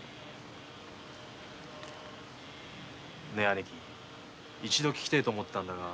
兄貴一度聞きてぇと思ってたんだが。